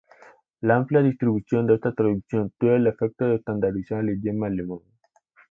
La amplia distribución de esta traducción tuvo el efecto de estandarizar el idioma alemán.